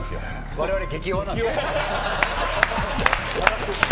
我々、激弱なんです。